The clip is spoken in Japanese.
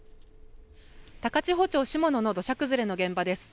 高千穂町下野の土砂崩れの現場です。